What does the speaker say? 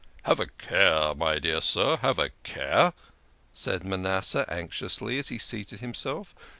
" Have a care, my dear sir ! Have a care !" said Manas seh anxiously, as he seated himself.